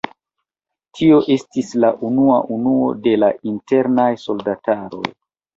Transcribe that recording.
Tio estis la unua unuo de la Internaj Soldataroj.